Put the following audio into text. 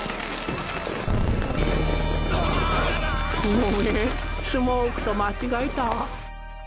ごめんスモークと間違えた。